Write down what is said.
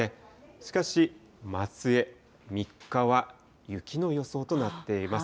しかし松江、３日は雪の予想となっています。